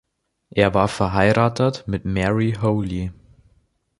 Er war verheiratet mit Mary Holly.